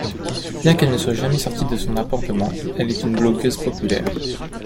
Bien qu'elle ne soit jamais sortie de son appartement elle est une blogueuse populaire.